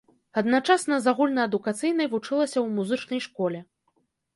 Адначасна з агульнаадукацыйнай, вучылася ў музычнай школе.